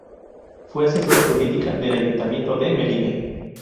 Fue asesora Jurídica del Ayuntamiento de Melide.